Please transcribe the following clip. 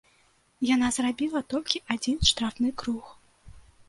Яна зарабіла толькі адзін штрафны круг.